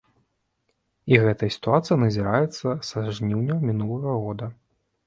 І гэтая сітуацыя назіраецца са жніўня мінулага года!